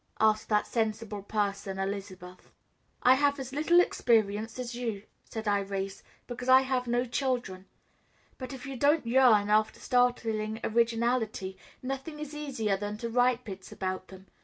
asked that sensible person Elizabeth. "I have as little experience as you," said Irais, "because I have no children; but if you don't yearn after startling originality, nothing is easier than to write bits about them.